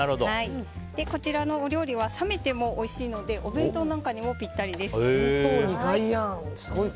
こちらのお料理は冷めてもおいしいのでお弁当なんかにもピッタリです。